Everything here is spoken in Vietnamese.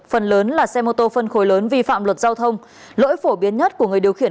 phần lớn là xe mô tô phân khối lớn vi phạm luật giao thông lỗi phổ biến nhất của người điều khiển